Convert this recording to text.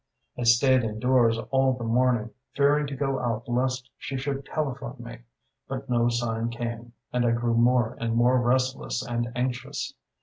"I stayed indoors all the morning, fearing to go out lest she should telephone me. But no sign came, and I grew more and more restless and anxious.